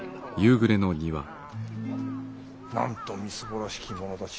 なんとみすぼらしき者たち